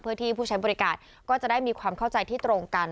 เพื่อที่ผู้ใช้บริการก็จะได้มีความเข้าใจที่ตรงกัน